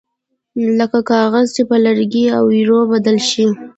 لکه کاغذ چې په لوګي او ایرو بدل شي